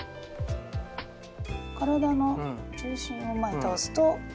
体の重心を前に倒すと。